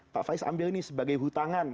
pak faiz ambil ini sebagai hutangan